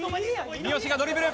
三好がドリブル。